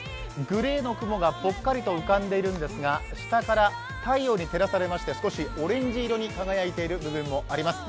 グレーの雲がぽっかりと浮かんでいるんですが下から太陽に照らされまして、少しオレンジ色に輝いている部分もあります。